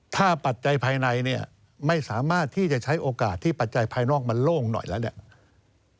ถ้าปัจจัยภายในเนี่ยไม่สามารถที่จะใช้โอกาสที่ปัจจัยภายนอกมันโล่งหน่อยแล้วเนี่ย